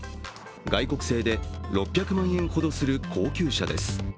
外国製で６００万円ほどする高級車です。